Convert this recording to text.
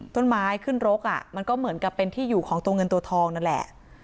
ต้นไม้ขึ้นรกมันก็เหมือนกับเป็นที่อยู่ของตัวเงินตัวทองนั่นแหละ